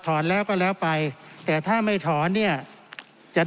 ถึงย่าจริงก็ตามแต่ว่าเก่าหาข้อมีความวิธิภาคศาชัดเรียบร้อยนะครับ